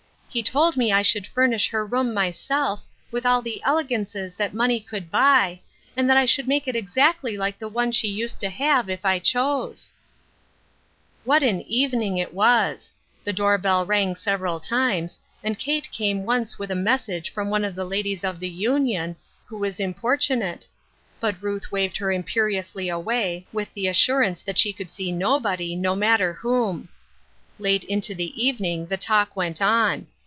He told me I should furnish her room myself, with all the elegances that money could buy, and that I should make it exactly like the one she used to have, if I chose." 172 A TROUBLESOME "YOUNG PERSON. What an evening it was ! The door bell ransr several times, and Kate came once with a message from one of the ladies of the Union, who was im portunate ; but Ruth waved her imperiously away, with the assurance that she could see nobody, no matter whom. Late into the evening the talk went on.